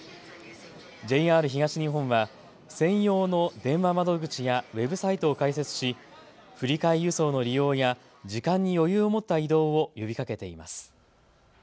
ＪＲ東日本は専用の電話窓口やウェブサイトを開設し振り替え輸送の利用や時間に余裕を持った移動を呼びかけています。